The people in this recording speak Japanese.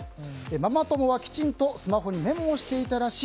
ママ友はきちんとスマホにメモをしていたらしい。